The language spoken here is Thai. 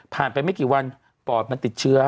ผ่านไปไม่กี่วันป่อมันติดเชื้อ